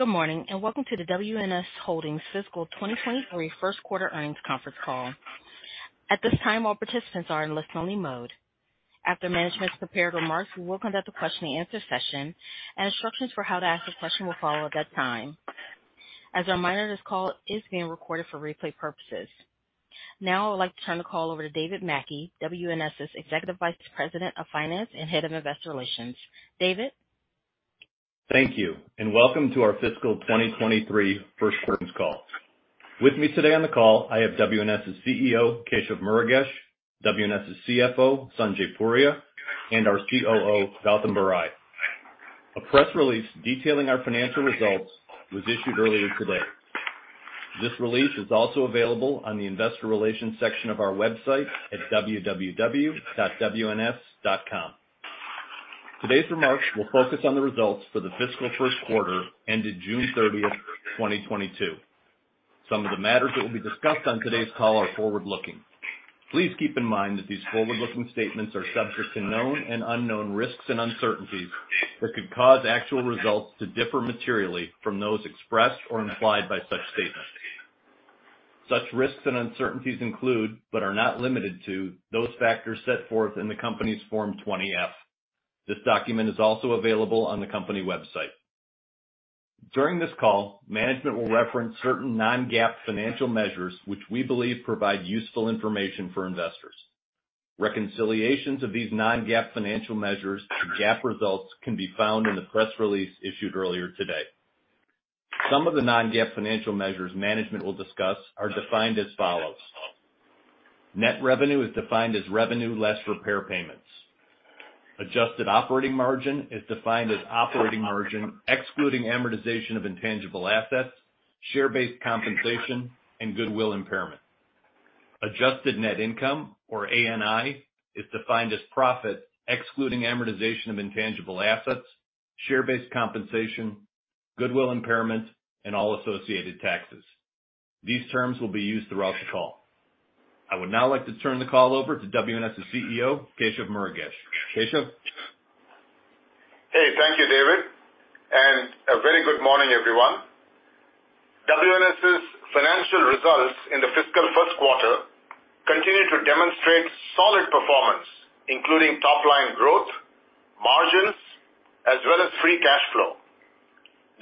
Good morning, and welcome to the WNS Holdings Fiscal 2023 First Quarter Earnings Conference Call. At this time, all participants are in listen-only mode. After management's prepared remarks, we will conduct a question-and-answer session, and instructions for how to ask a question will follow at that time. As a reminder, this call is being recorded for replay purposes. Now I would like to turn the call over to David Mackey, WNS's Executive Vice President of Finance and Head of Investor Relations. David? Thank you, and welcome to our fiscal 2023 first quarter earnings call. With me today on the call I have WNS's CEO, Keshav Murugesh, WNS's CFO, Sanjay Puria, and our COO, Gautam Barai. A press release detailing our financial results was issued earlier today. This release is also available on the investor relations section of our website at www.wns.com. Today's remarks will focus on the results for the fiscal first quarter ended 30 June 2022. Some of the matters that will be discussed on today's call are forward-looking. Please keep in mind that these forward-looking statements are subject to known and unknown risks and uncertainties that could cause actual results to differ materially from those expressed or implied by such statements. Such risks and uncertainties include, but are not limited to, those factors set forth in the company's Form 20-F. This document is also available on the company website. During this call, management will reference certain non-GAAP financial measures which we believe provide useful information for investors. Reconciliations of these non-GAAP financial measures to GAAP results can be found in the press release issued earlier today. Some of the non-GAAP financial measures management will discuss are defined as follows. Net revenue is defined as revenue less repair payments. Adjusted operating margin is defined as operating margin excluding amortization of intangible assets, share-based compensation, and goodwill impairment. Adjusted net income, or ANI, is defined as profit excluding amortization of intangible assets, share-based compensation, goodwill impairment, and all associated taxes. These terms will be used throughout the call. I would now like to turn the call over to WNS's CEO, Keshav Murugesh. Keshav? Hey, thank you, David, and a very good morning, everyone. WNS's financial results in the fiscal first quarter continue to demonstrate solid performance, including top-line growth, margins, as well as free cash flow.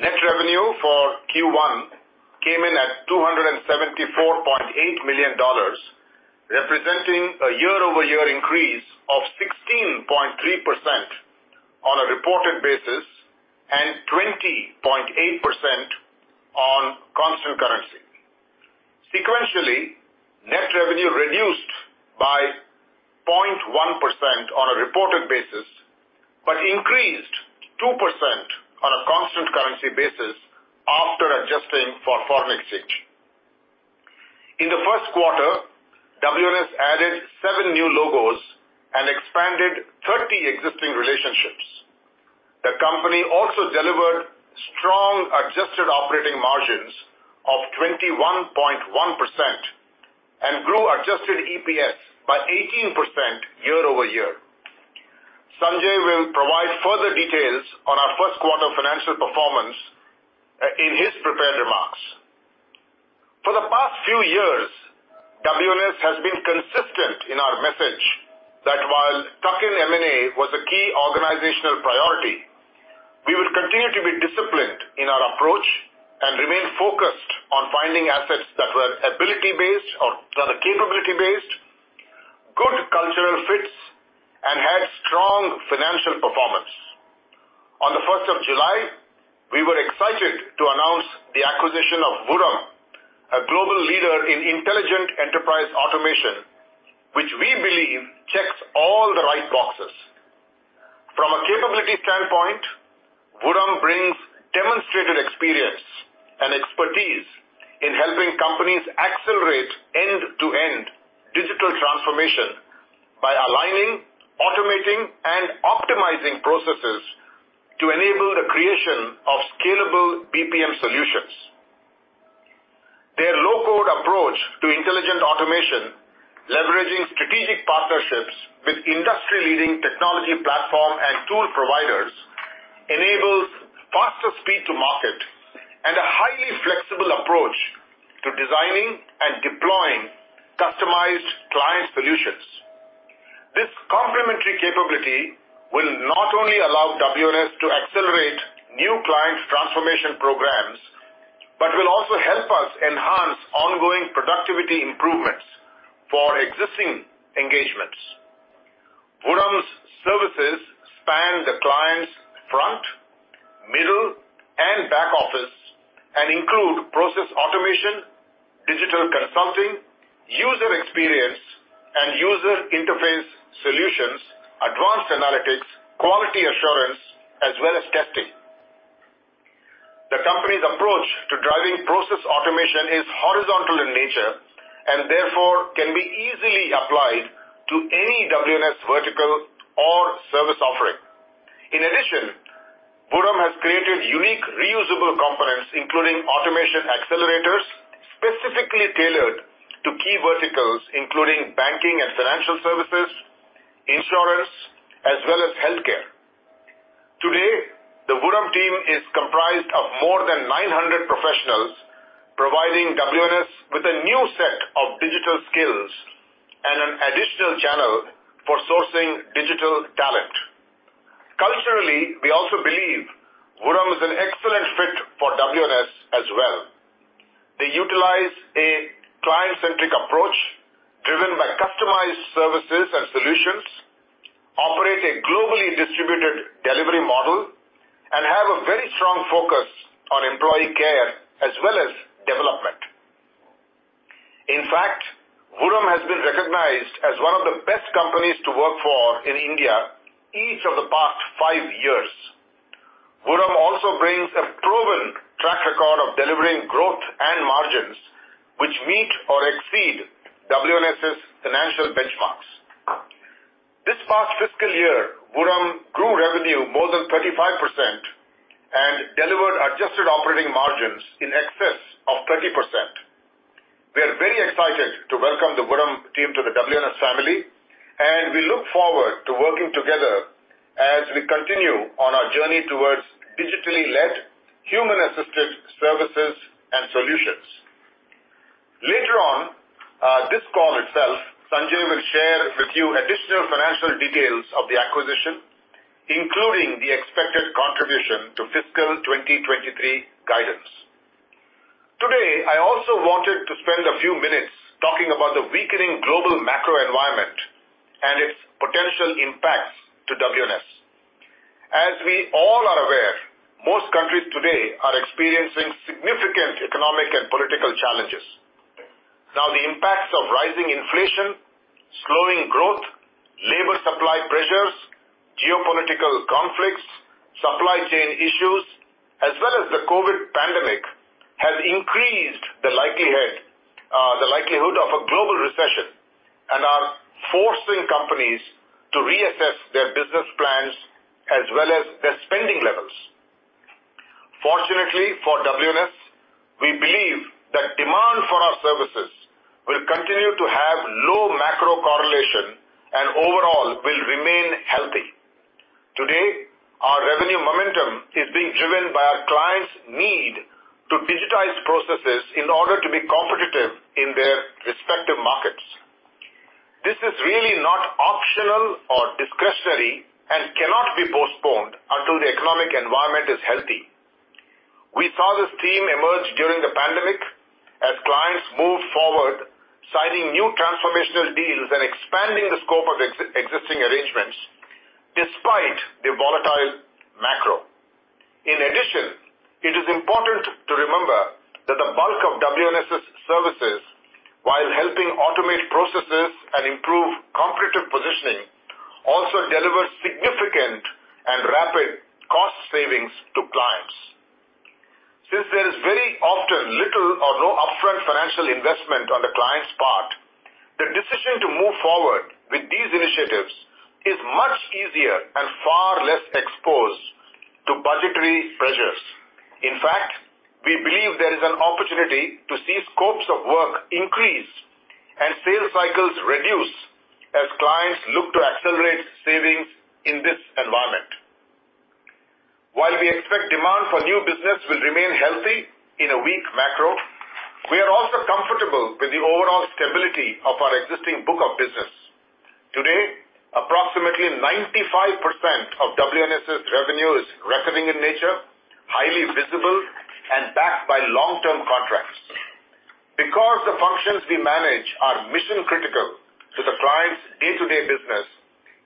Net revenue for first quarter came in at $274.8 million, representing a year-over-year increase of 16.3% on a reported basis and 20.8% on constant currency. Sequentially, net revenue reduced by 0.1% on a reported basis, but increased 2% on a constant currency basis after adjusting for foreign exchange. In the first quarter, WNS added seven new logos and expanded 30 existing relationships. The company also delivered strong adjusted operating margins of 21.1% and grew adjusted EPS by 18% year-over-year. Sanjay will provide further details on our first quarter financial performance in his prepared remarks. For the past few years, WNS has been consistent in our message that while tuck-in M&A was a key organizational priority, we would continue to be disciplined in our approach and remain focused on finding assets that were ability based or rather capability based, good cultural fits, and had strong financial performance. On the 1 July 2022, we were excited to announce the acquisition of Vuram, a global leader in intelligent enterprise automation, which we believe checks all the right boxes. From a capability standpoint, Vuram brings demonstrated experience and expertise in helping companies accelerate end-to-end digital transformation by aligning, automating, and optimizing processes to enable the creation of scalable BPM solutions. Their low-code approach to intelligent automation, leveraging strategic partnerships with industry-leading technology platform and tool providers, enables faster speed to market and a highly flexible approach to designing and deploying customized client solutions. This complementary capability will not only allow WNS to accelerate new client transformation programs but will also help us enhance ongoing productivity improvements for existing engagements. Vuram's services span the client's front, middle, and back office and include process automation, digital consulting, user experience and user interface solutions, advanced analytics, quality assurance, as well as testing. The company's approach to driving process automation is horizontal in nature and therefore can be easily applied to any WNS vertical or service offering. In addition, Vuram has created unique reusable components, including automation accelerators, specifically tailored to key verticals, including banking and financial services, insurance as well as healthcare. Today, the Vuram team is comprised of more than 900 professionals, providing WNS with a new set of digital skills and an additional channel for sourcing digital talent. Culturally, we also believe Vuram is an excellent fit for WNS as well. They utilize a client-centric approach driven by customized services and solutions, operate a globally distributed delivery model, and have a very strong focus on employee care as well as development. In fact, Vuram has been recognized as one of the best companies to work for in India each of the past five years. Vuram also brings a proven track record of delivering growth and margins which meet or exceed WNS's financial benchmarks. This past fiscal year, Vuram grew revenue more than 35% and delivered adjusted operating margins in excess of 20%. We are very excited to welcome the Vuram team to the WNS family, and we look forward to working together as we continue on our journey towards digitally led, human-assisted services and solutions. Later on, this call itself, Sanjay will share with you additional financial details of the acquisition, including the expected contribution to fiscal 2023 guidance. Today, I also wanted to spend a few minutes talking about the weakening global macro environment and its potential impacts to WNS. As we all are aware, most countries today are experiencing significant economic and political challenges. Now, the impacts of rising inflation, slowing growth, labor supply pressures, geopolitical conflicts, supply chain issues, as well as the COVID pandemic, have increased the likelihood of a global recession and are forcing companies to reassess their business plans as well as their spending levels. Fortunately for WNS, we believe that demand for our services will continue to have low macro correlation and overall will remain healthy. Today, our revenue momentum is being driven by our clients' need to digitize processes in order to be competitive in their respective markets. This is really not optional or discretionary and cannot be postponed until the economic environment is healthy. We saw this theme emerge during the pandemic as clients moved forward, signing new transformational deals and expanding the scope of existing arrangements despite the volatile macro. In addition, it is important to remember that the bulk of WNS's services, while helping automate processes and improve competitive positioning, also delivers significant and rapid cost savings to clients. Since there is very often little or no upfront financial investment on the client's part, the decision to move forward with these initiatives is much easier and far less exposed to budgetary pressures. In fact, we believe there is an opportunity to see scopes of work increase and sales cycles reduce as clients look to accelerate savings in this environment. While we expect demand for new business will remain healthy in a weak macro, we are also comfortable with the overall stability of our existing book of business. Today, approximately 95% of WNS's revenue is recurring in nature, highly visible, and backed by long-term contracts. Because the functions we manage are mission-critical to the client's day-to-day business,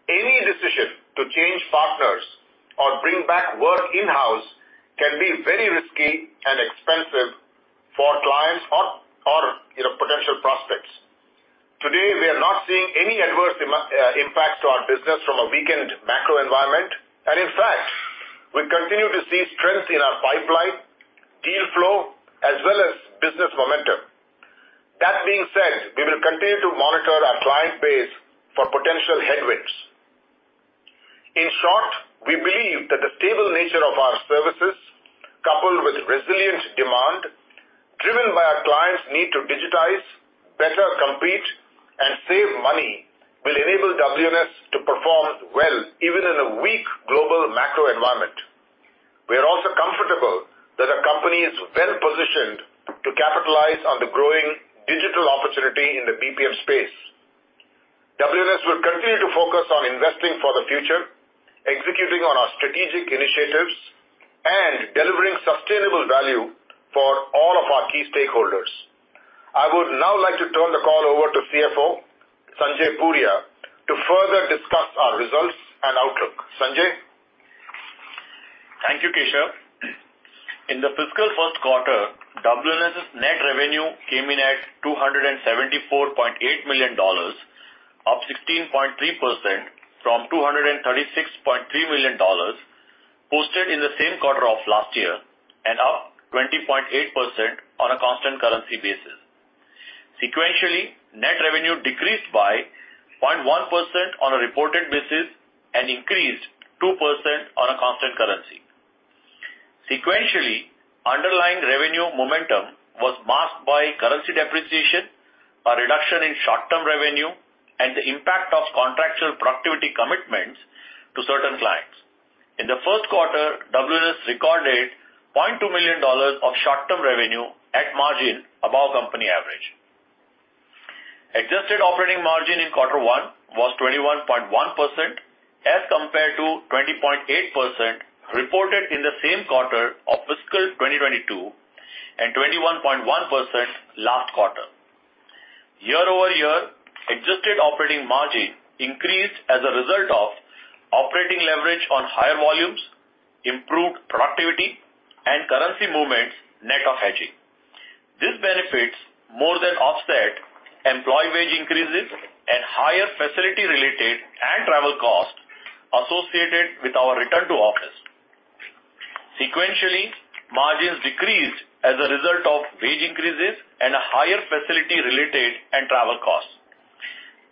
any decision to change partners or bring back work in-house can be very risky and expensive for clients or, you know, potential prospects. Today, we are not seeing any adverse impact to our business from a weakened macro environment. In fact, we continue to see strength in our pipeline, deal flow, as well as business momentum. That being said, we will continue to monitor our client base for potential headwinds. In short, we believe that the stable nature of our services, coupled with resilient demand driven by our clients' need to digitize, better compete, and save money, will enable WNS to perform well even in a weak global macro environment. We are also comfortable that our company is well-positioned to capitalize on the growing digital opportunity in the BPM space. WNS will continue to focus on investing for the future, executing on our strategic initiatives, and delivering sustainable value for all of our key stakeholders. I would now like to turn the call over to CFO Sanjay Puria to further discuss our results and outlook. Sanjay? Thank you, Keshav. In the fiscal first quarter, WNS's net revenue came in at $274.8 million, up 16.3% from $236.3 million posted in the same quarter of last year and up 20.8% on a constant currency basis. Sequentially, net revenue decreased by 0.1% on a reported basis and increased 2% on a constant currency. Sequentially, underlying depreciation, a reduction in short-term revenue, and the impact of contractual productivity commitments to certain clients. In the first quarter, WNS recorded $0.2 million of short-term revenue at margin above company average. Adjusted operating margin in quarter one was 21.1% as compared to 20.8% reported in the same quarter of fiscal 2022, and 21.1% last quarter. Year-over-year, adjusted operating margin increased as a result of operating leverage on higher volumes, improved productivity and currency movements net of hedging. These benefits more than offset employee wage increases and higher facility-related and travel costs associated with our return to office. Sequentially, margins decreased as a result of wage increases and higher facility-related and travel costs.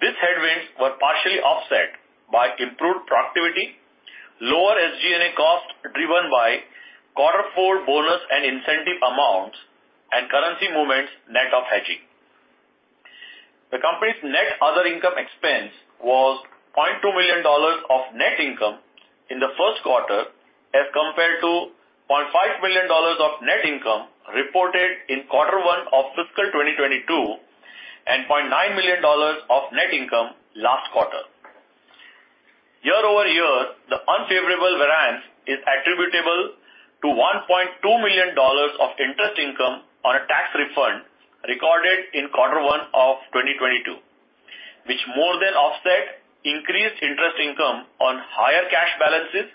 These headwinds were partially offset by improved productivity, lower SG&A costs driven by quarter four bonus and incentive amounts and currency movements net of hedging. The company's net other income expense was $0.2 million of net income in the first quarter as compared to $0.5 million of net income reported in quarter one of fiscal 2022, and $0.9 million of net income last quarter. Year-over-year, the unfavorable variance is attributable to $1.2 million of interest income on a tax refund recorded in quarter one of 2022, which more than offset increased interest income on higher cash balances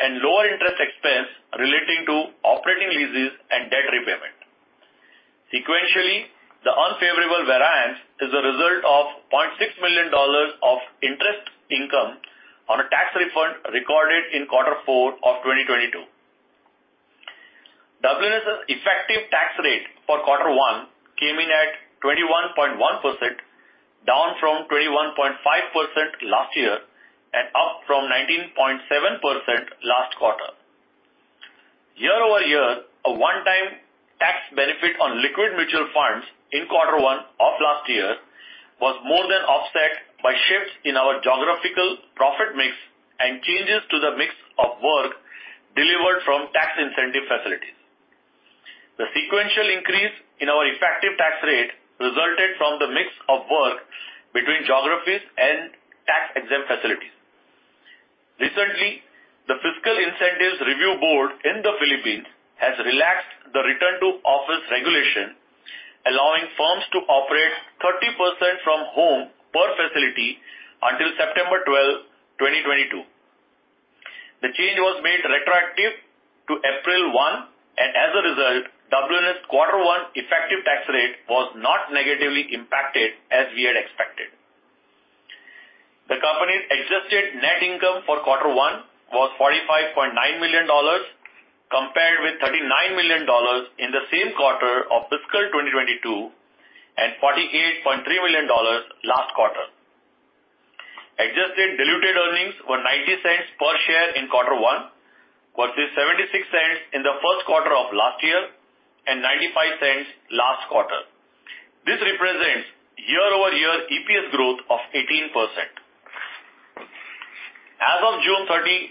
and lower interest expense relating to operating leases and debt repayment. Sequentially, the unfavorable variance is a result of $0.6 million of interest income on a tax refund recorded in quarter four of 2022. WNS's effective tax rate for quarter one came in at 21.1%, down from 21.5% last year and up from 19.7% last quarter. Year-over-year, a one-time tax benefit on liquid mutual funds in quarter one of last year was more than offset by shifts in our geographical profit mix and changes to the mix of work delivered from tax incentive facilities. The sequential increase in our effective tax rate resulted from the mix of work between geographies and tax-exempt facilities. Recently, the Fiscal Incentives Review Board in the Philippines has relaxed the return-to-office regulation, allowing firms to operate 30% from home per facility until 12 September 2022. The change was made retroactive to 1 April 2022, and as a result, WNS quarter one effective tax rate was not negatively impacted as we had expected. The company's adjusted net income for quarter one was $45.9 million, compared with $39 million in the same quarter of fiscal 2022, and $48.3 million last quarter. Adjusted diluted earnings were $0.90 per share in quarter one versus $0.76 in the first quarter of last year, and $0.95 last quarter. This represents year-over-year EPS growth of 18%. As of 30 June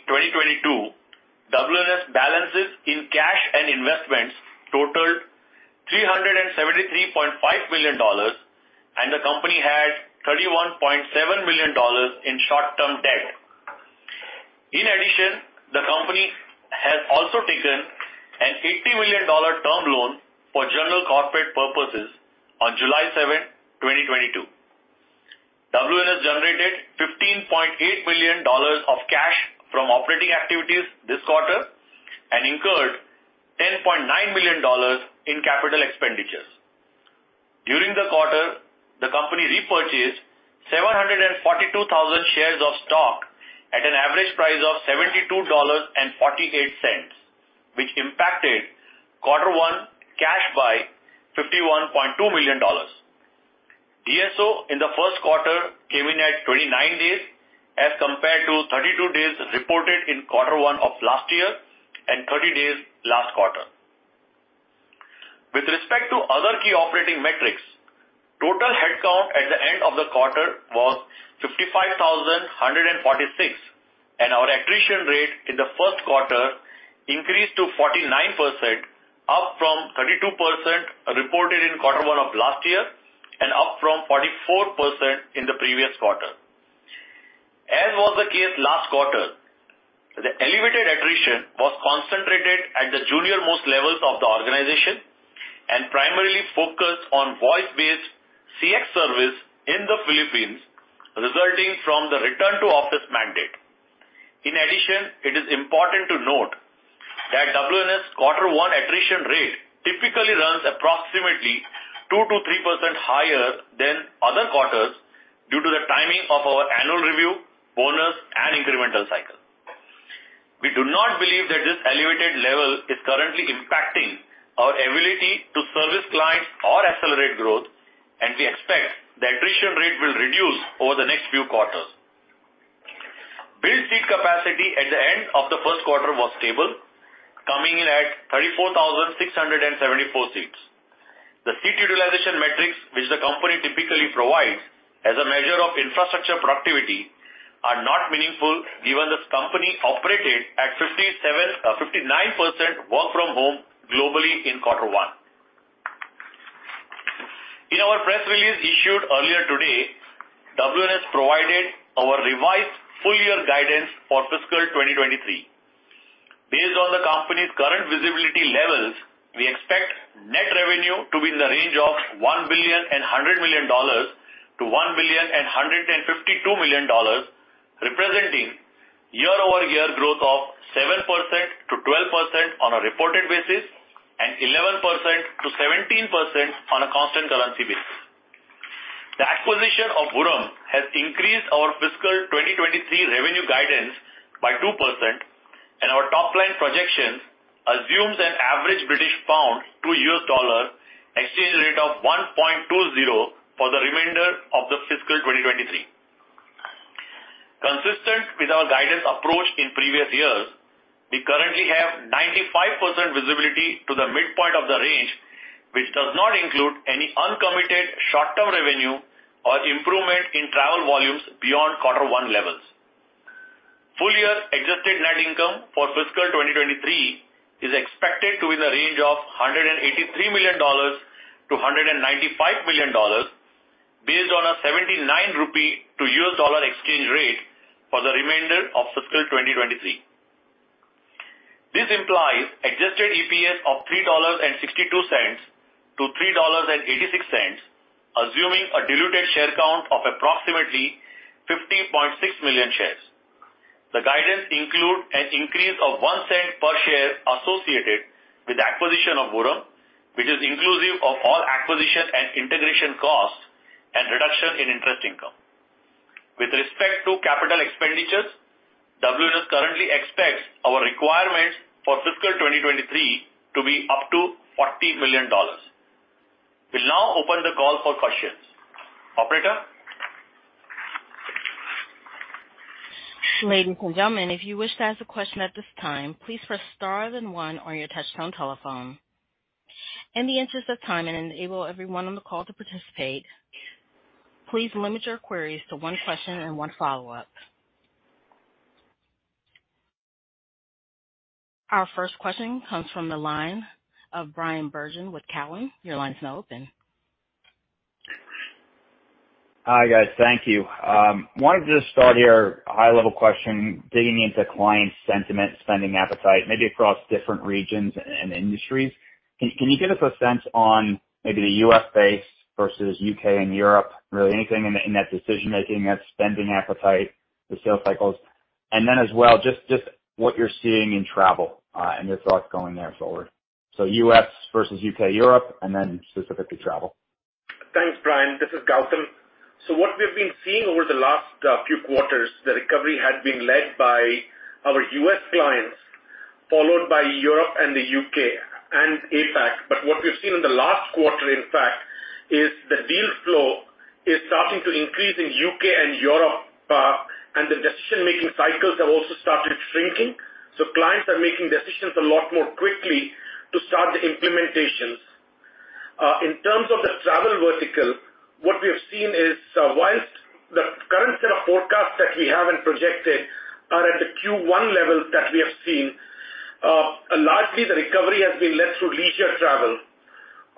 2022, WNS balances in cash and investments totaled $373.5 million, and the company had $31.7 million in short-term debt. In addition, the company has also taken an $80 million term loan for general corporate purposes on 7 July 2022. WNS generated $15.8 million of cash from operating activities this quarter and incurred $10.9 million in capital expenditures. During the quarter, the company repurchased 742,000 shares of stock at an average price of $72.48, which impacted quarter one cash by $51.2 million. DSO in the first quarter came in at 29 days as compared to 32 days reported in quarter one of last year and 30 days last quarter. With respect to other key operating metrics, total headcount at the end of the quarter was 55,146, and our attrition rate in the first quarter increased to 49%, up from 32% reported in quarter one of last year and up from 44% in the previous quarter. As was the case last quarter, the elevated attrition was concentrated at the junior-most levels of the organization and primarily focused on voice-based CX service in the Philippines, resulting from the return to office mandate. In addition, it is important to note that WNS quarter one attrition rate typically runs approximately 2% to 3% higher than other quarters due to the timing of our annual review, bonus and incremental cycle. We do not believe that this elevated level is currently impacting our ability to service clients or accelerate growth, and we expect the attrition rate will reduce over the next few quarters. Built seat capacity at the end of the first quarter was stable, coming in at 34,674 seats. The seat utilization metrics which the company typically provides as a measure of infrastructure productivity are not meaningful, given this company operated at 57% to 59% work from home globally in quarter one. In our press release issued earlier today, WNS provided our revised full-year guidance for fiscal 2023. Based on the company's current visibility levels, we expect net revenue to be in the range of $1.1 to 1.152 billion, representing year-over-year growth of 7% to 12% on a reported basis and 11% to 17% on a constant currency basis. The acquisition of Vuram has increased our fiscal 2023 revenue guidance by 2%, and our top line projections assumes an average British pound to US dollar exchange rate of 1.20 for the remainder of fiscal 2023. Consistent with our guidance approach in previous years, we currently have 95% visibility to the midpoint of the range, which does not include any uncommitted short-term revenue or improvement in travel volumes beyond quarter one levels. Full year adjusted net income for fiscal 2023 is expected to be in the range of $183 to 195 million based on a 79 rupee to US dollar exchange rate for the remainder of fiscal 2023. This implies adjusted EPS of $3.62 to 3.86, assuming a diluted share count of approximately 50.6 million shares. The guidance include an increase of $0.01 per share associated with the acquisition of Vuram, which is inclusive of all acquisition and integration costs and reduction in interest income. With respect to capital expenditures, WNS currently expects our requirements for fiscal 2023 to be up to $40 million. We'll now open the call for questions. Operator? Ladies and gentlemen, if you wish to ask a question at this time, please press star then one on your touchtone telephone. In the interest of time and to enable everyone on the call to participate, please limit your queries to one question and one follow-up. Our first question comes from the line of Bryan Bergin with TD Cowen. Your line is now open. Hi, guys. Thank you. Wanted to start here, high-level question, digging into client sentiment, spending appetite, maybe across different regions and industries. Can you give us a sense on maybe the US-based versus UK and Europe, really anything in that decision making, that spending appetite, the sales cycles? Then as well, just what you're seeing in travel, and your thoughts going forward. US versus UK, Europe, and then specifically travel. Thanks, Brian. This is Gautam. What we've been seeing over the last few quarters, the recovery had been led by our US clients, followed by Europe and the UK and APAC. What we've seen in the last quarter, in fact, is the deal flow is starting to increase in UK and Europe, and the decision-making cycles have also started shrinking. Clients are making decisions a lot more quickly to start the implementations. In terms of the travel vertical, what we have seen is, while the current set of forecasts that we have and projected are at the first quarter levels that we have seen, largely the recovery has been led through leisure travel.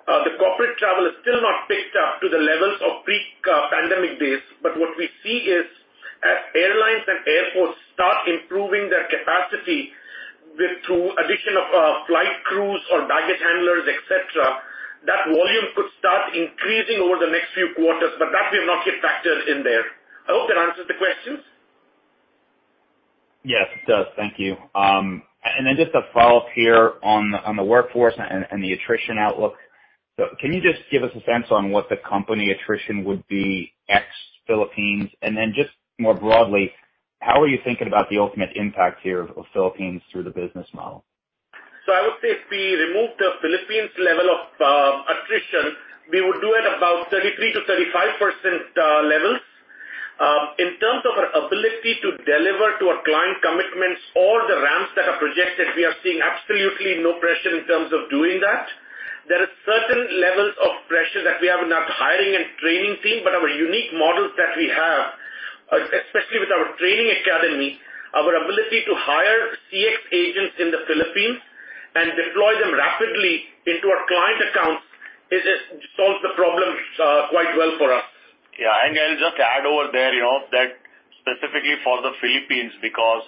The corporate travel is still not picked up to the levels of pre-COVID days. What we see is as airlines and airports start improving their capacity through addition of flight crews or baggage handlers, et cetera, that volume could start increasing over the next few quarters, but that we've not yet factored in there. I hope that answers the questions. Yes, it does. Thank you. Then just a follow-up here on the workforce and the attrition outlook. Can you just give us a sense on what the company attrition would be ex-Philippines? Then just more broadly, how are you thinking about the ultimate impact here of Philippines through the business model? I would say if we removed the Philippines level of attrition, we would do it about 33% to 35% levels. In terms of our ability to deliver to our client commitments or the ramps that are projected, we are seeing absolutely no pressure in terms of doing that. There are certain levels of pressure that we have in our hiring and training team, but our unique models that we have, especially with our training academy, our ability to hire CX agents in the Philippines and deploy them rapidly into our client accounts solves the problems quite well for us. Yeah. I'll just add over there, you know, that specifically for the Philippines, because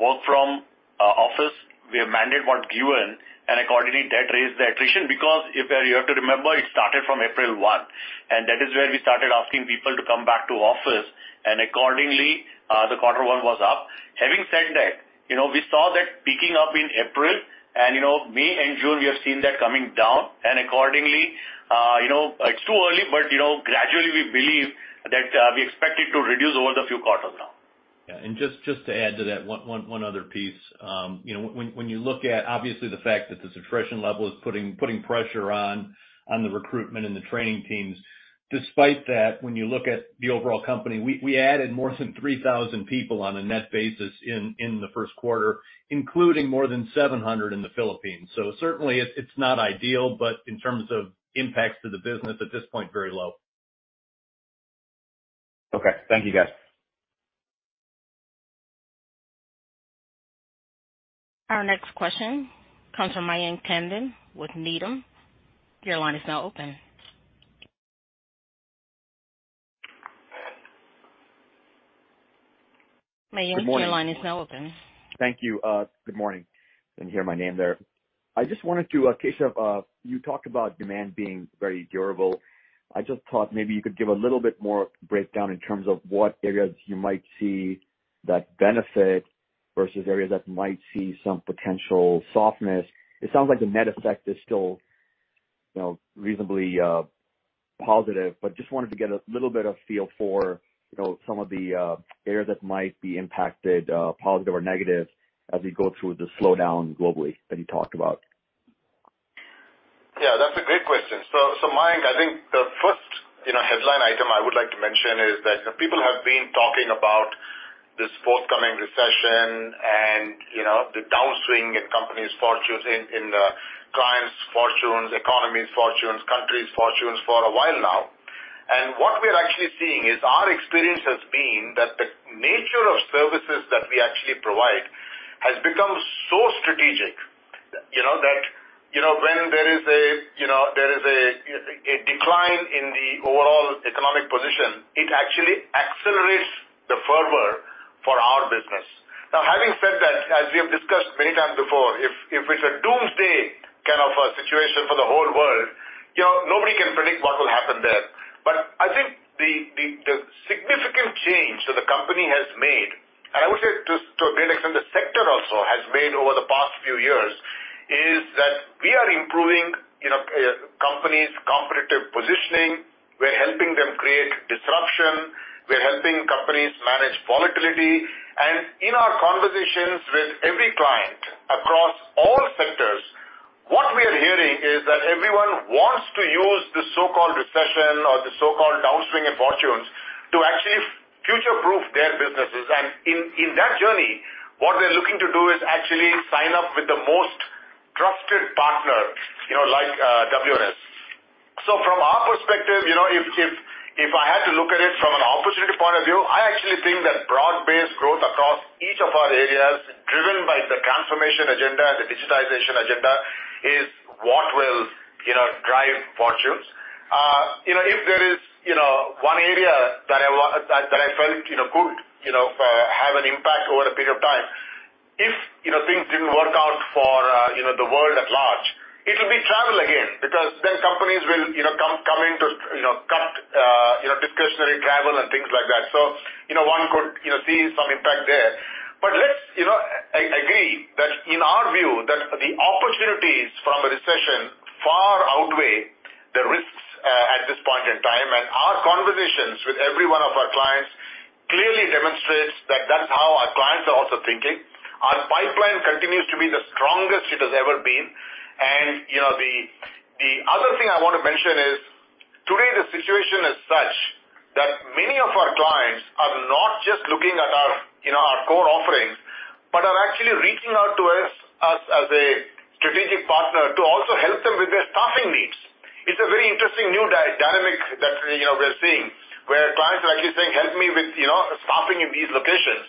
work from office mandate was given, and accordingly, that raised the attrition because you have to remember, it started from 1 April 2022, and that is where we started asking people to come back to office, and accordingly, the quarter one was up. Having said that, you know, we saw that picking up in April and, you know, May and June, we have seen that coming down. Accordingly, you know, it's too early, but, you know, gradually we believe that we expect it to reduce over the few quarters now. Yeah. Just to add to that, one other piece. You know, when you look at obviously the fact that this attrition level is putting pressure on the recruitment and the training teams. Despite that, when you look at the overall company, we added more than 3,000 people on a net basis in the first quarter, including more than 700 in the Philippines. Certainly it's not ideal, but in terms of impacts to the business at this point, very low. Okay. Thank you, guys. Our next question comes from Mayank Tandon with Needham. Your line is now open. Mayank, your line is now open. Thank you. Good morning. Didn't hear my name there. I just wanted to, Keshav, you talked about demand being very durable. I just thought maybe you could give a little bit more breakdown in terms of what areas you might see that benefit versus areas that might see some potential softness. It sounds like the net effect is still, you know, reasonably, positive, but just wanted to get a little bit of feel for, you know, some of the, areas that might be impacted, positive or negative as we go through the slowdown globally that you talked about. Yeah, that's a great question. Mayank, I think the first, you know, headline item I would like to mention is that people have been talking about this forthcoming recession and, you know, the downswing in companies' fortunes, clients' fortunes, economies' fortunes, countries' fortunes for a while now. What we're actually seeing is our experience has been that the nature of services that we actually provide has become so strategic, you know, that when there is a decline in the overall economic position, it actually accelerates the fervor for our business. Now, having said that, as we have discussed many times before, if it's a doomsday kind of a situation for the whole world, you know, nobody can predict what will happen there. I think the significant change that the company has made, and I would say to a great extent, the sector also has made over the past few years, is that we are improving, you know, companies' competitive positioning. We're helping them create disruption. We're helping companies manage volatility. In our conversations with every client across all sectors, what we are hearing is that everyone wants to use the so-called recession or the so-called downswing in fortunes to actually future-proof their businesses. In that journey, what they're looking to do is actually sign up with the most trusted partner, you know, like, WNS. From our perspective, you know, if I had to look at it from an opportunity point of view, I actually think that broad-based growth across each of our areas, driven by the transformation agenda and the digitization agenda, is what will, you know, drive fortunes. You know, if there is, you know, one area that I that I felt, you know, could, you know, have an impact over a period of time, if, you know, things didn't work out for, you know, the world at large, it'll be travel again, because then companies will, you know, come in to, you know, cut, you know, discretionary travel and things like that. You know, one could, you know, see some impact there. Let's, you know, agree that in our view that the opportunities from a recession far outweigh the risks at this point in time. Our conversations with every one of our clients clearly demonstrates that that's how our clients are also thinking. Our pipeline continues to be the strongest it has ever been. You know, the other thing I want to mention is today the situation is such that many of our clients are not just looking at our, you know, our core offerings, but are actually reaching out to us as a strategic partner to also help them with their staffing needs. It's a very interesting new dynamic that, you know, we're seeing where clients are actually saying, "Help me with, you know, staffing in these locations."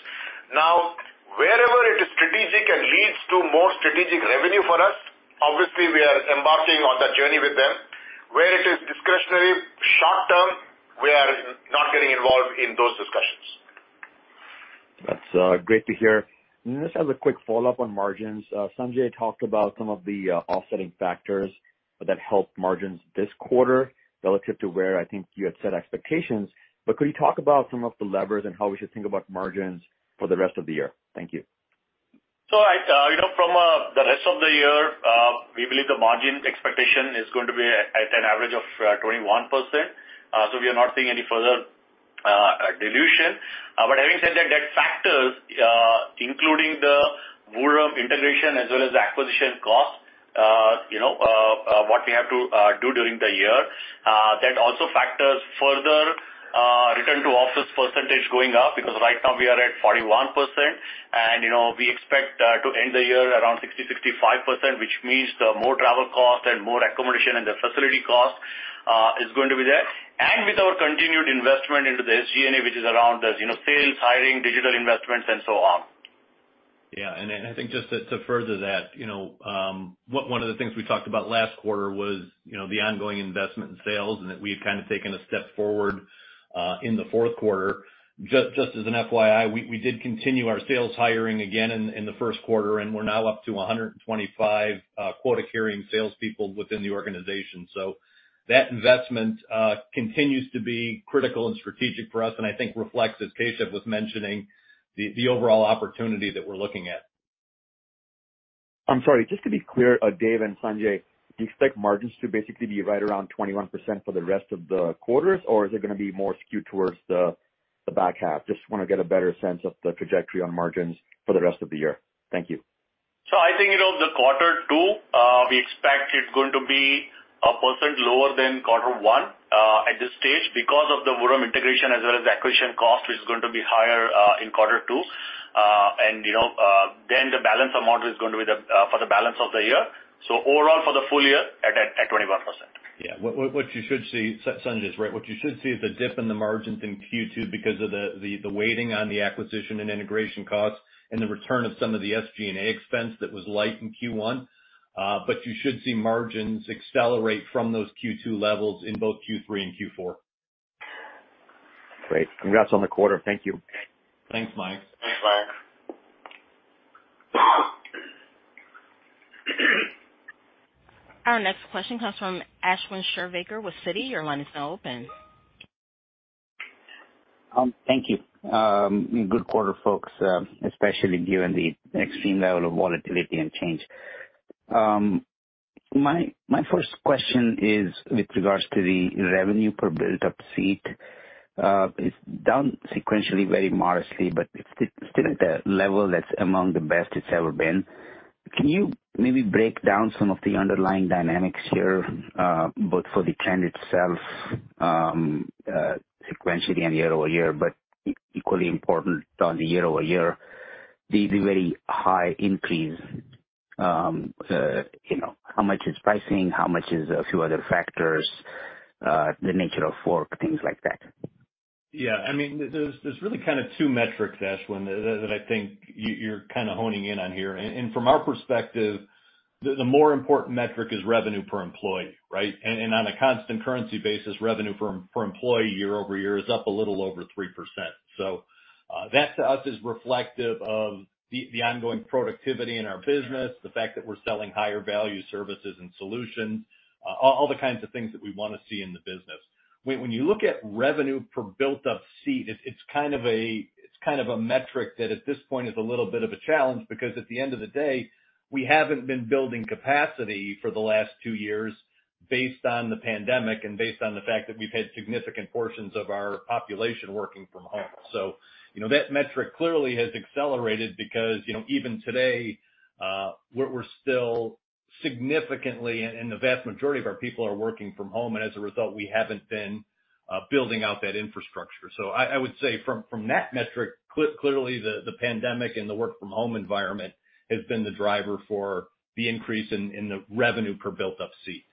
Now, wherever it is strategic and leads to more strategic revenue for us, obviously we are embarking on that journey with them. Where it is discretionary short term, we are not getting involved in those discussions. That's great to hear. Just as a quick follow-up on margins, Sanjay talked about some of the offsetting factors that helped margins this quarter relative to where I think you had set expectations. Could you talk about some of the levers and how we should think about margins for the rest of the year? Thank you. I, you know, from the rest of the year, we believe the margin expectation is going to be at an average of 21%, so we are not seeing any further dilution. Having said that factors including the Vuram integration as well as acquisition costs, you know, what we have to do during the year, that also factors further return to office percentage going up, because right now we are at 41%. You know, we expect to end the year around 60% to 65%, which means the more travel costs and more accommodation, and the facility cost is going to be there. With our continued investment into the SG&A, which is around, as you know, sales, hiring, digital investments and so on. Yeah. I think just to further that, you know, one of the things we talked about last quarter was, you know, the ongoing investment in sales and that we had kind of taken a step forward in the fourth quarter. Just as an FYI, we did continue our sales hiring again in the first quarter, and we're now up to 125 quota-carrying salespeople within the organization. That investment continues to be critical and strategic for us and I think reflects, as Keshav was mentioning, the overall opportunity that we're looking at. I'm sorry, just to be clear, David and Sanjay, do you expect margins to basically be right around 21% for the rest of the quarters, or is it gonna be more skewed towards the back half? Just want to get a better sense of the trajectory on margins for the rest of the year. Thank you. I think, you know, quarter two we expect is going to be 1% lower than quarter one at this stage because of the Vuram integration as well as acquisition cost is going to be higher in quarter two. You know, then the balance of model is going to be for the balance of the year. Overall for the full year at 21%. Yeah. Sanjay is right. What you should see is a dip in the margins in second quarter because of the weighting on the acquisition and integration costs and the return of some of the SG&A expense that was light in first quarter. You should see margins accelerate from those second quarter levels in both third quarter and fourth quarter. Great. Congrats on the quarter. Thank you. Thanks, Mike. Thanks, Mike. Our next question comes from Ashwin Shirvaikar with Citi. Your line is now open. Thank you. Good quarter, folks, especially given the extreme level of volatility and change. My first question is with regards to the revenue per built up seat. It's down sequentially very modestly, but it's still at the level that's among the best it's ever been. Can you maybe break down some of the underlying dynamics here, both for the trend itself, sequentially and year-over-year, but equally important on the year-over-year, the very high increase, you know, how much is pricing, how much is a few other factors, the nature of work, things like that? Yeah. I mean, there's really kind of two metrics, Ashwin, that I think you're kind of honing in on here. From our perspective, the more important metric is revenue per employee, right? On a constant currency basis, revenue per employee year-over-year is up a little over 3%. That to us is reflective of the ongoing productivity in our business, the fact that we're selling higher value services and solutions, all the kinds of things that we want to see in the business. When you look at revenue per built up seat, it's kind of a metric that at this point is a little bit of a challenge because at the end of the day, we haven't been building capacity for the last two years based on the pandemic and based on the fact that we've had significant portions of our population working from home. You know, that metric clearly has accelerated because, you know, even today, we're still significantly and the vast majority of our people are working from home, and as a result, we haven't been building out that infrastructure. I would say from that metric, clearly, the pandemic and the work from home environment has been the driver for the increase in the revenue per built up seat.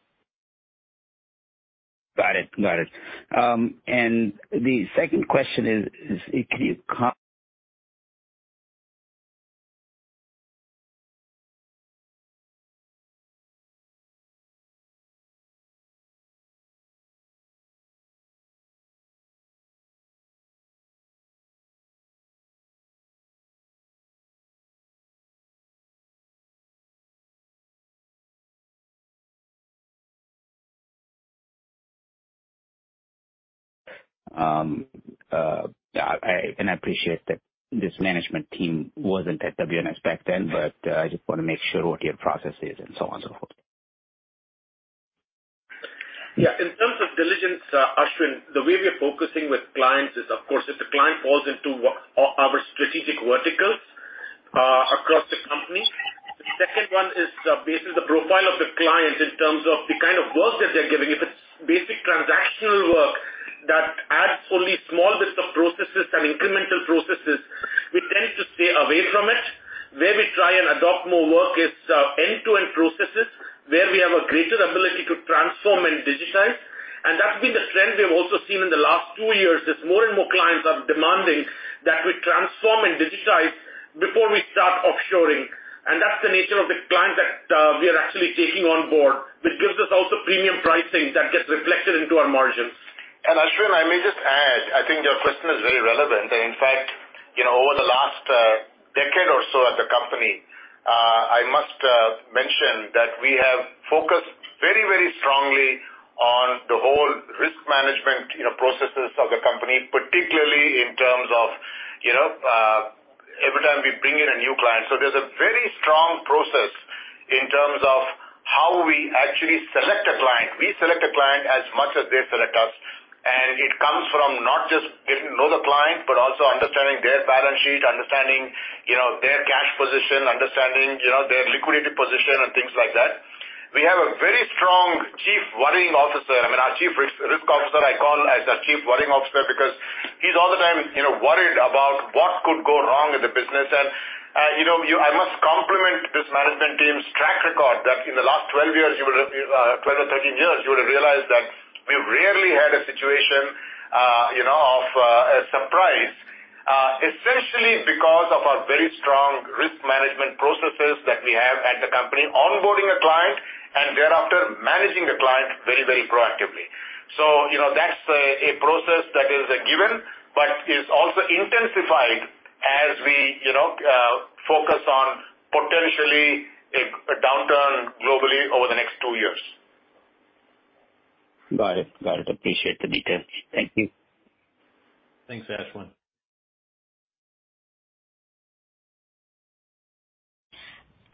Got it. I appreciate that this management team wasn't at WNS back then, but I just want to make sure what your process is and so on and so forth. Yeah. In terms of diligence, Ashwin, the way we are focusing with clients is of course if the client falls into our strategic verticals across the company. The second one is basically the profile of the client in terms of the kind of work that they're giving. If it's basic transactional work that adds only small bits of processes and incremental processes, we tend to stay away from it. Where we try and adopt more work is end-to-end processes where we have a greater ability to transform and digitize. That's been the trend we've also seen in the last two years, is more and more clients are demanding that we transform and digitize before we start offshoring. That's the nature of the client that we are actually taking on board, which gives us also premium pricing that gets reflected into our margins. Ashwin, I may just add, I think your question is very relevant. In fact, you know, over the last decade or so at the company, I must mention that we have focused very, very strongly on the whole risk management, you know, processes of the company, particularly in terms of, you know, every time we bring in a new client. There's a very strong process in terms of how we actually select a client. We select a client as much as they select us, and it comes from not just getting to know the client, but also understanding their balance sheet, understanding, you know, their cash position, understanding, you know, their liquidity position and things like that. We have a very strong chief worrying officer. I mean, our chief risk officer I call as our chief worrying officer because he's all the time, you know, worried about what could go wrong in the business. You know, I must compliment this management team's track record that in the last 12 or 13 years, you would have realized that we rarely had a situation, you know, of a surprise, essentially because of our very strong risk management processes that we have at the company, onboarding a client and thereafter managing the client very, very proactively. You know, that's a process that is a given but is also intensified as we, you know, focus on potentially a downturn globally over the next two years. Got it. Appreciate the details. Thank you. Thanks, Ashwin.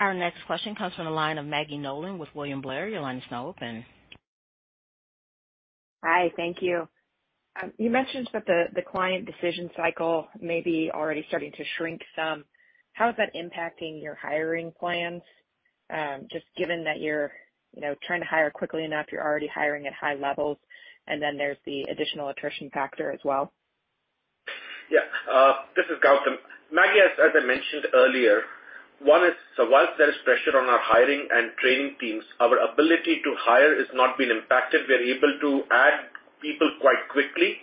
Our next question comes from the line of Maggie Nolan with William Blair. Your line is now open. Hi, thank you. You mentioned that the client decision cycle may be already starting to shrink some. How is that impacting your hiring plans? Just given that you're, you know, trying to hire quickly enough, you're already hiring at high levels, and then there's the additional attrition factor as well. This is Gautam. Maggie, as I mentioned earlier, one is so while there is pressure on our hiring and training teams, our ability to hire has not been impacted. We are able to add people quite quickly.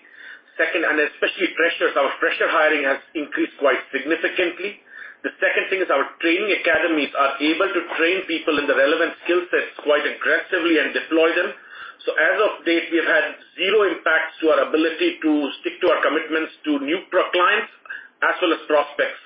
Second, and especially pressures. Our fresher hiring has increased quite significantly. The second thing is our training academies are able to train people in the relevant skill sets quite aggressively and deploy them. As of today, we've had zero impacts to our ability to stick to our commitments to new pro-clients as well as prospects.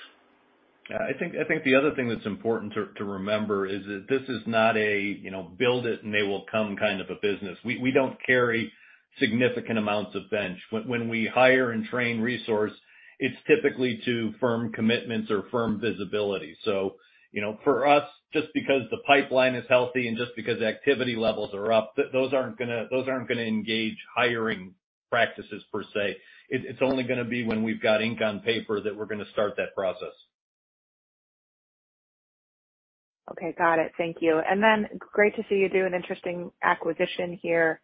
Yeah. I think the other thing that's important to remember is that this is not a, you know, build it and they will come kind of a business. We don't carry significant amounts of bench. When we hire and train resource, it's typically to firm commitments or firm visibility. You know, for us, just because the pipeline is healthy and just because activity levels are up, those aren't gonna engage hiring practices per se. It's only gonna be when we've got ink on paper that we're gonna start that process. Okay. Got it. Thank you. Great to see you do an interesting acquisition here.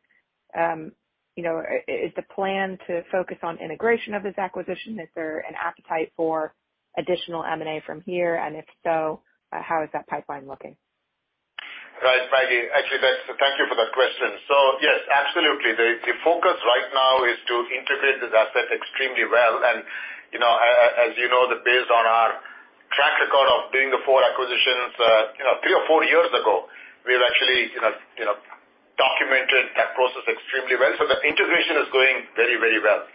You know, is the plan to focus on integration of this acquisition? Is there an appetite for additional M&A from here? And if so, how is that pipeline looking? Right, Maggie. Actually, thank you for that question. Yes, absolutely. The focus right now is to integrate this asset extremely well. You know, as you know, based on our track record of doing the four acquisitions, you know, we have documented that process extremely well. The integration is going very, very well.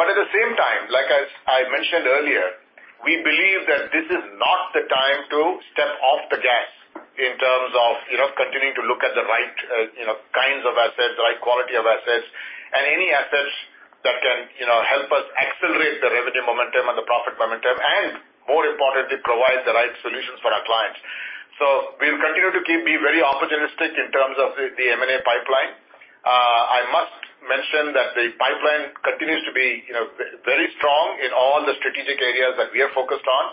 At the same time, like as I mentioned earlier, we believe that this is not the time to step off the gas in terms of, you know, continuing to look at the right, you know, kinds of assets, the right quality of assets and any assets that can, you know, help us accelerate the revenue momentum and the profit momentum, and more importantly, provide the right solutions for our clients. We'll continue to keep being very opportunistic in terms of the M&A pipeline. I must mention that the pipeline continues to be, you know, very strong in all the strategic areas that we are focused on.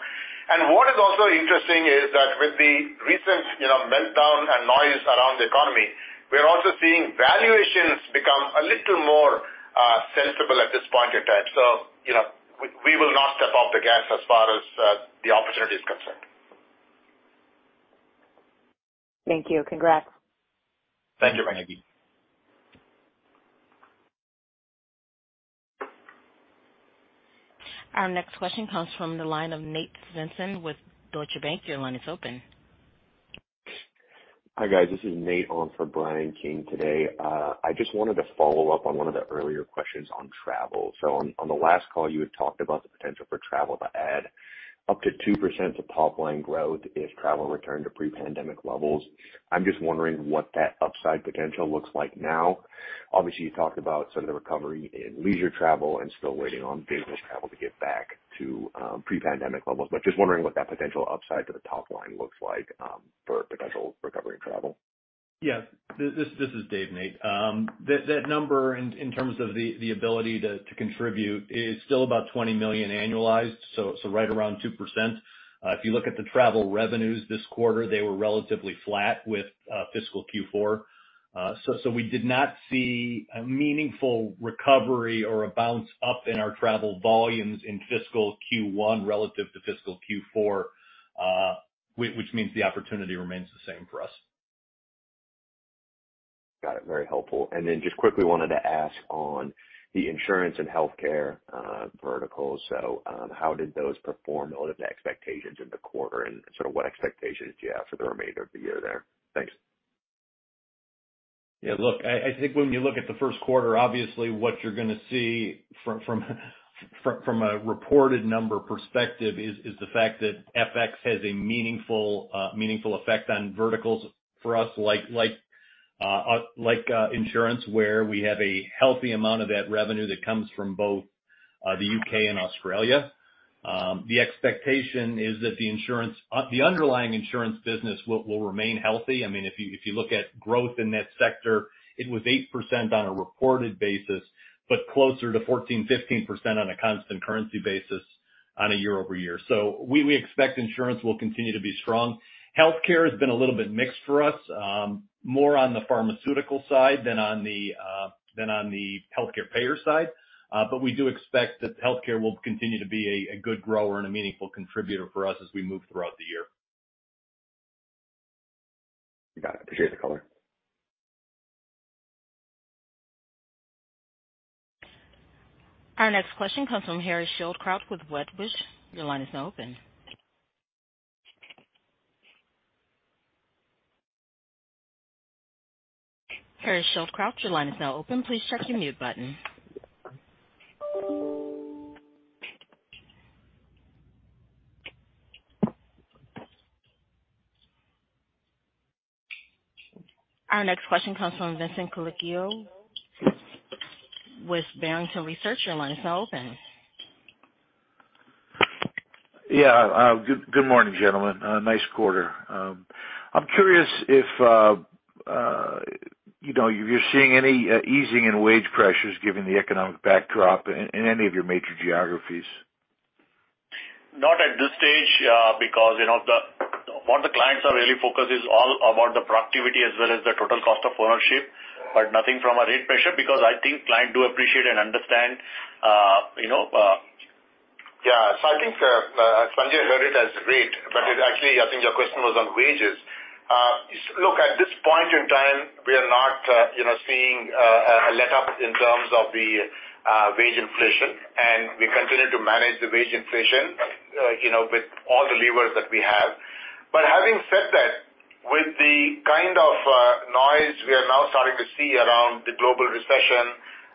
What is also interesting is that with the recent, you know, meltdown and noise around the economy, we are also seeing valuations become a little more sensible at this point in time. You know, we will not step off the gas as far as the opportunity is concerned. Thank you. Congrats. Thank you, Maggie. Our next question comes from the line of Nate Svensson with Deutsche Bank. Your line is open. Hi, guys. This is Nate on for Bryan Keane today. I just wanted to follow up on one of the earlier questions on travel. On the last call, you had talked about the potential for travel to add up to 2% to top line growth if travel returned to pre-pandemic levels. I'm just wondering what that upside potential looks like now. Obviously, you talked about some of the recovery in leisure travel and still waiting on business travel to get back to pre-pandemic levels. Just wondering what that potential upside to the top line looks like for potential recovery in travel. Yes. This is Dave, Nate. That number in terms of the ability to contribute is still about $20 million annualized, so right around 2%. If you look at the travel revenues this quarter, they were relatively flat with fiscal fourth quarter. So we did not see a meaningful recovery or a bounce up in our travel volumes in fiscal first quarter relative to fiscal fourth quarter, which means the opportunity remains the same for us. Got it. Very helpful. Then just quickly wanted to ask on the insurance and healthcare verticals. How did those perform relative to expectations in the quarter? Sort of what expectations do you have for the remainder of the year there? Thanks. Yeah, look, I think when you look at the first quarter, obviously what you're gonna see from a reported number perspective is the fact that FX has a meaningful effect on verticals for us, like insurance, where we have a healthy amount of that revenue that comes from both the UK and Australia. The expectation is that the underlying insurance business will remain healthy. I mean, if you look at growth in that sector, it was 8% on a reported basis, but closer to 14% to 15% on a constant currency basis year-over-year. We expect insurance will continue to be strong. Healthcare has been a little bit mixed for us, more on the pharmaceutical side than on the healthcare payer side. We do expect that healthcare will continue to be a good grower and a meaningful contributor for us as we move throughout the year. Got it. Appreciate the color. Our next question comes from Moshe Katri with Wedbush. Your line is now open. Moshe Katri, your line is now open. Please check your mute button. Our next question comes from Vincent Colicchio with Barrington Research. Your line is now open. Yeah. Good morning, gentlemen. Nice quarter. I'm curious if, you know, you're seeing any easing in wage pressures given the economic backdrop in any of your major geographies. Not at this stage, because, you know, what the clients are really focused is all about the productivity as well as the total cost of ownership, but nothing from a rate pressure because I think clients do appreciate and understand, you know. Yeah. I think Sanjay heard it as rate, but actually, I think your question was on wages. Look, at this point in time, we are not, you know, seeing a letup in terms of the wage inflation, and we continue to manage the wage inflation, you know, with all the levers that we have. Having said that, with the kind of noise we are now starting to see around the global recession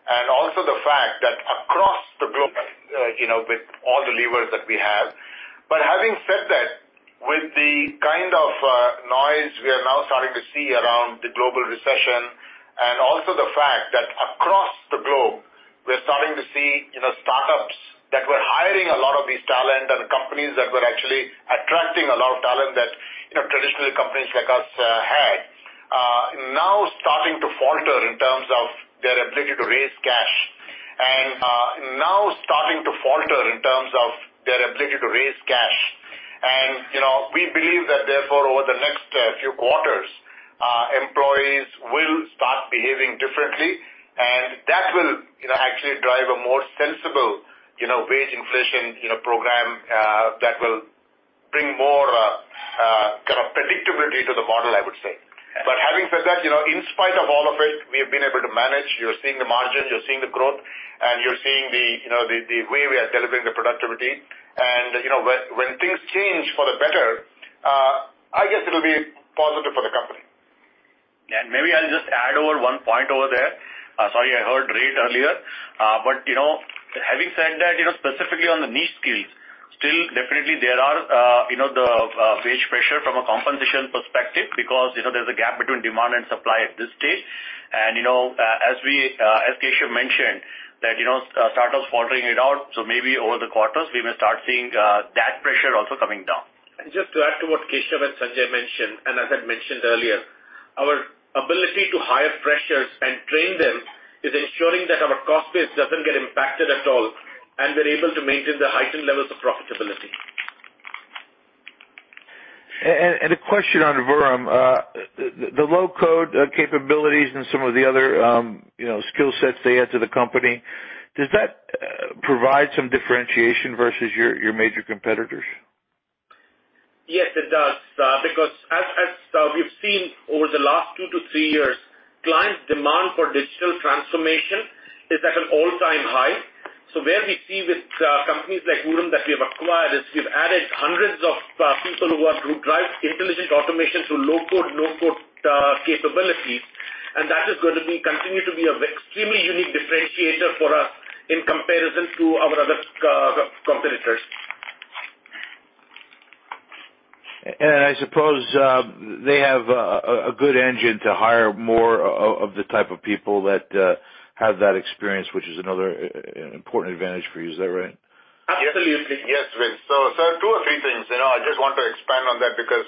and also the fact that across the globe, you know, with all the levers that we have. Having said that, with the kind of noise we are now starting to see around the global recession and also the fact that across the globe, we're starting to see, you know, startups that were hiring a lot of these talent and companies that were actually attracting a lot of talent that, you know, traditionally companies like us had, now starting to falter in terms of their ability to raise cash. And, you know, we believe that therefore, over the next few quarters, employees will start behaving differently, and that will, you know, actually drive a more sensible, you know, wage inflation, you know, program that will bring more kind of predictability to the model, I would say. Having said that, you know, in spite of all of it, we have been able to manage. You're seeing the margins, you're seeing the growth, and you're seeing the, you know, the way we are delivering the productivity. You know, when things change for the better, I guess it'll be positive for the company. Maybe I'll just add over one point over there. Sorry, I heard rate earlier. But you know, having said that, you know, specifically on the niche skills, still definitely there are you know the wage pressure from a compensation perspective because you know there's a gap between demand and supply at this stage. You know as Keshav mentioned that you know startups faltering out so maybe over the quarters we may start seeing that pressure also coming down. Just to add to what Keshav and Sanjay mentioned, and as I mentioned earlier, our ability to hire freshers and train them is ensuring that our cost base doesn't get impacted at all, and we're able to maintain the heightened levels of profitability. A question on Vuram. The low-code capabilities and some of the other, you know, skill sets they add to the company, does that provide some differentiation versus your major competitors? Yes, it does, because as we've seen over the last two to three years, clients' demand for digital transformation is at an all-time high. Where we see with companies like Vuram that we have acquired, is we've added hundreds of people who drive intelligent automation through low-code, no-code capability. That is gonna be continue to be a extremely unique differentiator for us in comparison to our other competitors. I suppose they have a good engine to hire more of the type of people that have that experience, which is another important advantage for you. Is that right? Absolutely. Yes. Two or three things. You know, I just want to expand on that because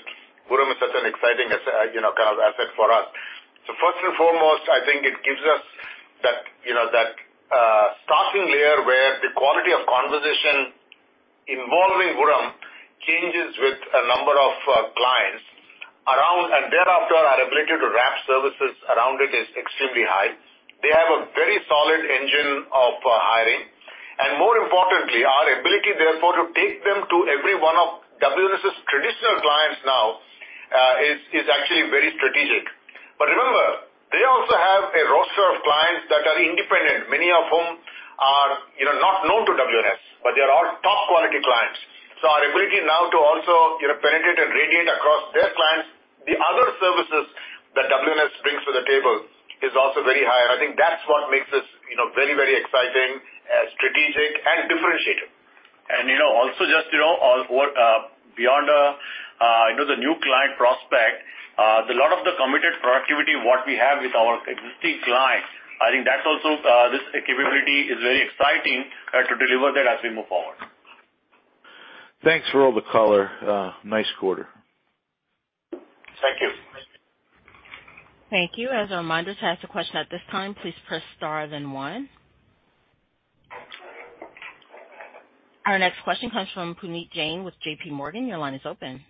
Vuram is such an exciting, you know, kind of asset for us. First and foremost, I think it gives us that, you know, staffing layer where the quality of conversation involving Vuram changes with a number of clients around, and thereafter, our ability to wrap services around it is extremely high. They have a very solid engine of hiring. More importantly, our ability therefore to take them to every one of WNS's traditional clients now is actually very strategic. Remember, they also have a roster of clients that are independent, many of whom are, you know, not known to WNS, but they are all top quality clients. Our ability now to also, you know, penetrate and radiate across their clients, the other services that WNS brings to the table is also very high. I think that's what makes this, you know, very, very exciting, strategic and differentiated. You know, also just, you know, beyond, you know, the new client prospect, a lot of the committed productivity that we have with our existing clients, I think that's also this capability is very exciting to deliver that as we move forward. Thanks for all the color. Nice quarter. Thank you. Thank you. As a reminder, to ask a question at this time, please press star then one. Our next question comes from Puneet Jain with JPMorgan. Your line is open.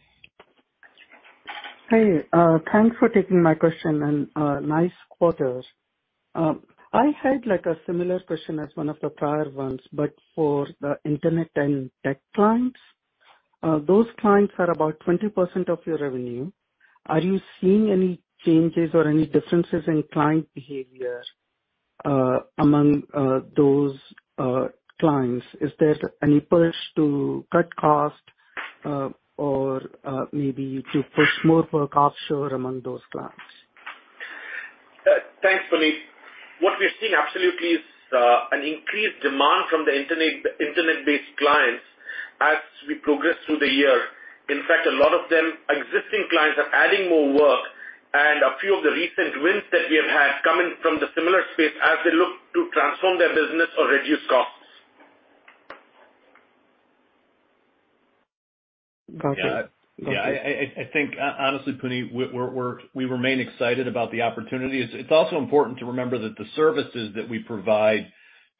Hey, thanks for taking my question and, nice quarters. I had like a similar question as one of the prior ones, but for the internet and tech clients. Those clients are about 20% of your revenue. Are you seeing any changes or any differences in client behavior, among those clients? Is there any push to cut cost, or, maybe to push more work offshore among those clients? Thanks, Puneet. What we're seeing absolutely is an increased demand from the internet-based clients as we progress through the year. In fact, a lot of them existing clients are adding more work. A few of the recent wins that we have had coming from the similar space as they look to transform their business or reduce costs. Got you. Yeah. I think honestly, Puneet, we remain excited about the opportunity. It's also important to remember that the services that we provide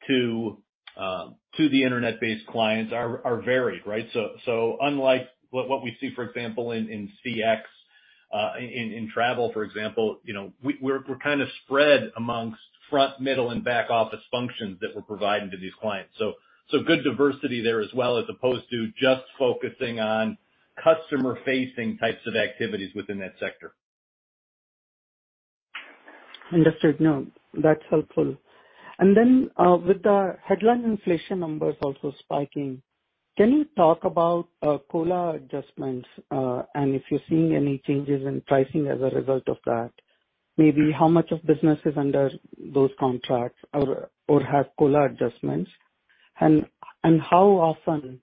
to the Internet-based clients are varied, right? So unlike what we see, for example, in CX, in travel, for example, you know, we're kind of spread amongst front, middle, and back office functions that we're providing to these clients. So good diversity there as well, as opposed to just focusing on customer-facing types of activities within that sector. Understood. No, that's helpful. With the headline inflation numbers also spiking, can you talk about COLA adjustments and if you're seeing any changes in pricing as a result of that? Maybe how much of business is under those contracts or have COLA adjustments, and how often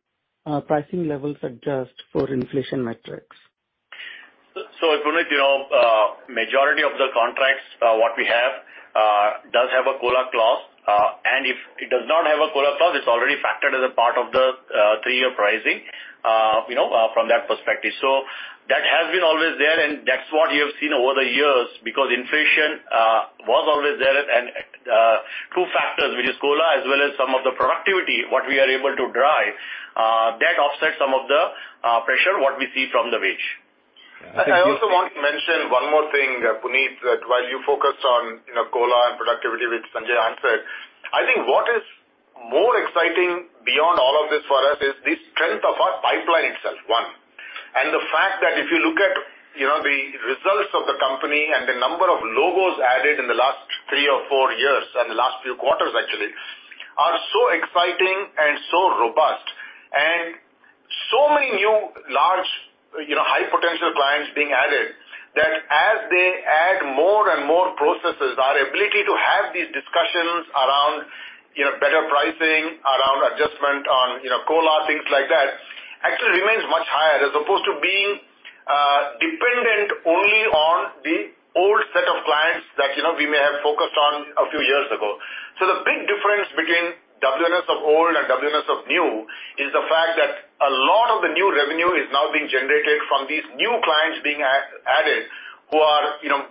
pricing levels adjust for inflation metrics. Puneet, you know, majority of the contracts what we have does have a COLA clause. If it does not have a COLA clause, it's already factored as a part of the three-year pricing, you know, from that perspective. That has been always there, and that's what you have seen over the years, because inflation was always there. Two factors, which is COLA as well as some of the productivity what we are able to drive, that offsets some of the pressure what we see from the wage. Yeah. I also want to mention one more thing, Puneet, that while you focus on, you know, COLA and productivity, which Sanjay answered, I think what is more exciting beyond all of this for us is the strength of our pipeline itself, one. The fact that if you look at, you know, the results of the company and the number of logos added in the last three or four years and the last few quarters actually are so exciting and so robust. Many new, large, you know, high potential clients being added that as they add more and more processes, our ability to have these discussions around, you know, better pricing, around adjustment on, you know, COLA, things like that, actually remains much higher as opposed to being dependent only on the old set of clients that, you know, we may have focused on a few years ago. The big difference between WNS of old and WNS of new is the fact that a lot of the new revenue is now being generated from these new clients being added who are, you know,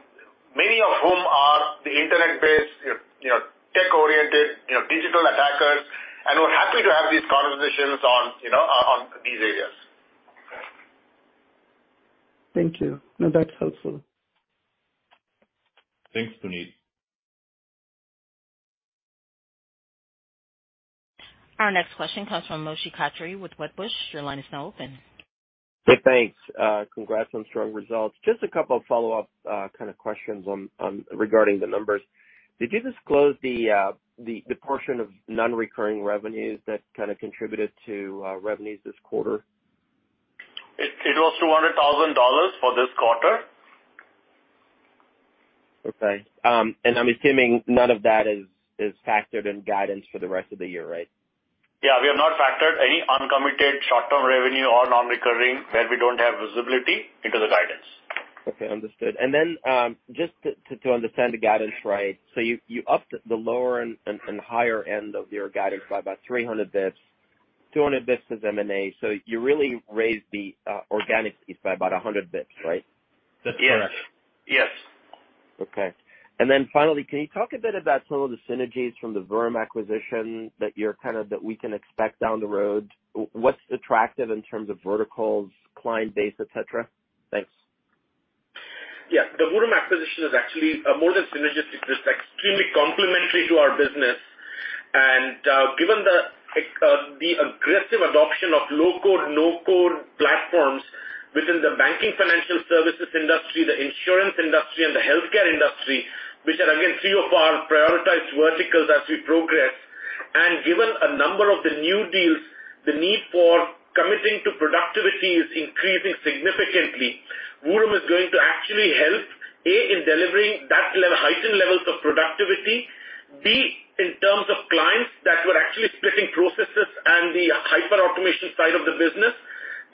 many of whom are the Internet-based, you know, tech-oriented, you know, digital attackers and are happy to have these conversations on, you know, on these areas. Thank you. No, that's helpful. Thanks, Puneet. Our next question comes from Moshe Katri with Wedbush. Your line is now open. Hey, thanks. Congrats on strong results. Just a couple of follow-up kind of questions on regarding the numbers. Did you disclose the portion of non-recurring revenues that kind of contributed to revenues this quarter? It was $200,000 for this quarter. Okay. I'm assuming none of that is factored in guidance for the rest of the year, right? Yeah. We have not factored any uncommitted short-term revenue or non-recurring where we don't have visibility into the guidance. Okay, understood. Just to understand the guidance right. You upped the lower and higher end of your guidance by about 300 basis points. 200 basis points is M&A. You really raised the organic piece by about 100 basis points, right? That's correct. Yes. Okay. Finally, can you talk a bit about some of the synergies from the Vuram acquisition that we can expect down the road? What's attractive in terms of verticals, client base, et cetera? Thanks. Yeah. The Vuram acquisition is actually more than synergistic. It's extremely complementary to our business. Given the aggressive adoption of low-code, no-code platforms within the banking and financial services industry, the insurance industry and the healthcare industry, which are again three of our prioritized verticals as we progress. Given a number of the new deals, the need for committing to productivity is increasing significantly. Vuram is going to actually help, A, in delivering heightened levels of productivity. B, in terms of clients that were actually splitting processes and the hyper-automation side of the business,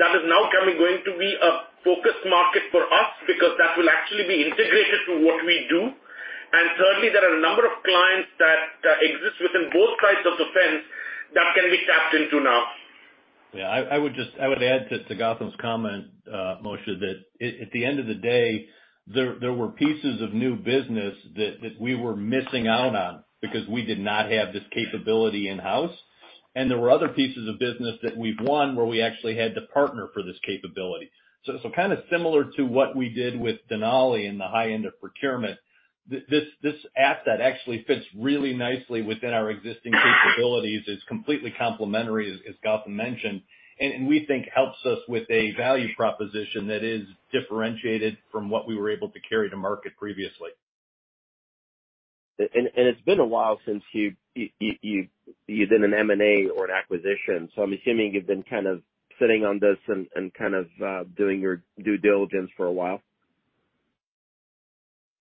that is now going to be a focus market for us because that will actually be integrated to what we do. Thirdly, there are a number of clients that exist within both sides of the fence that can be tapped into now. Yeah. I would add to Gautam's comment, Moshe, that at the end of the day, there were pieces of new business that we were missing out on because we did not have this capability in-house. There were other pieces of business that we've won where we actually had to partner for this capability. Kind of similar to what we did with Denali in the high end of procurement, this asset actually fits really nicely within our existing capabilities. It's completely complementary, as Gautam mentioned, and we think helps us with a value proposition that is differentiated from what we were able to carry to market previously. It's been a while since you've done an M&A or an acquisition. I'm assuming you've been kind of sitting on this and kind of doing your due diligence for a while.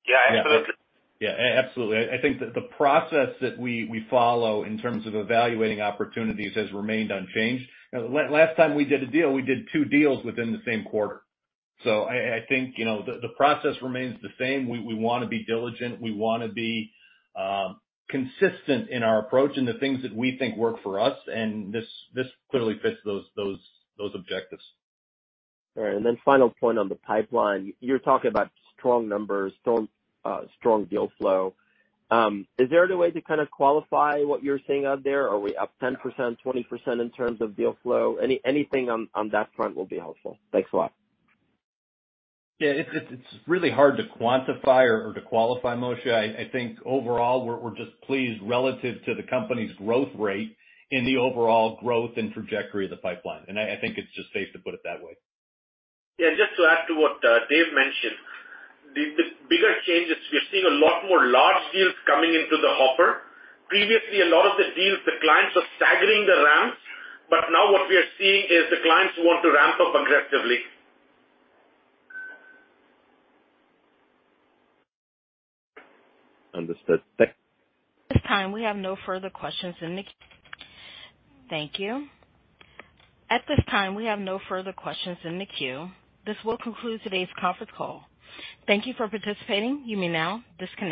Yeah, absolutely. Yeah, absolutely. I think that the process that we follow in terms of evaluating opportunities has remained unchanged. Last time we did a deal, we did two deals within the same quarter. I think, you know, the process remains the same. We want to be diligent, we want to be consistent in our approach and the things that we think work for us, and this clearly fits those objectives. All right. Final point on the pipeline. You're talking about strong numbers, strong deal flow. Is there any way to kind of qualify what you're seeing out there? Are we up 10%, 20% in terms of deal flow? Anything on that front will be helpful. Thanks a lot. Yeah. It's really hard to quantify or to qualify, Moshe. I think overall we're just pleased relative to the company's growth rate in the overall growth and trajectory of the pipeline. I think it's just safe to put it that way. Yeah. Just to add to what David mentioned. The bigger change is we're seeing a lot more large deals coming into the hopper. Previously, a lot of the deals, the clients were staggering the ramps, but now what we are seeing is the clients want to ramp up aggressively. Understood. At this time, we have no further questions in the queue. This will conclude today's conference call. Thank you for participating. You may now disconnect.